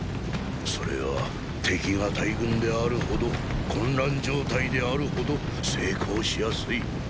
それは敵が大軍であるほど混乱状態であるほど成功しやすい。